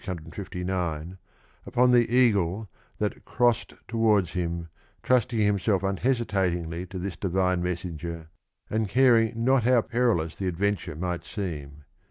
659) upon the eagle that " crost towards him," trusting himself unhesitatingly to this divine messenger and caring not how perilous the adventure might seem.